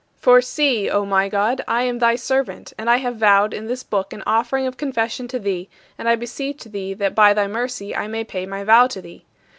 For see, O my God, I am thy servant, and I have vowed in this book an offering of confession to thee, and I beseech thee that by thy mercy I may pay my vow to thee.